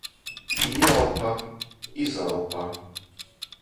Īelpa, izelpa.